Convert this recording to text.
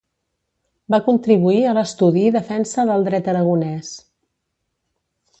Va contribuir a l'estudi i defensa del Dret aragonès.